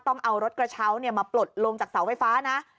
ต้องเอารถกระเช้ามาปลดลงจากเสาไฟฟ้านะ